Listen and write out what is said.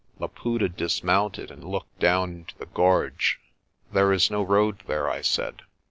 Laputa dismounted and looked down into the gorge. "There is no road there," I said.